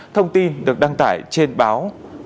thông tin được đăng tải trên báo